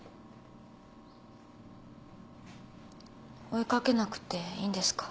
追いかけなくていいんですか？